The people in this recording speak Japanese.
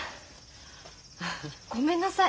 ごめんなさい